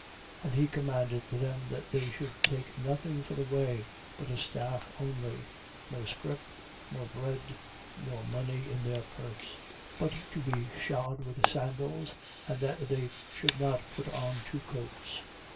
6:8. And he commanded them that they should take nothing for the way, but a staff only; no scrip, no bread, nor money in their purse, 6:9. But to be shod with sandals, and that they should not put on two coats.